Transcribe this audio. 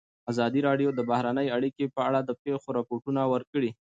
ازادي راډیو د بهرنۍ اړیکې په اړه د پېښو رپوټونه ورکړي.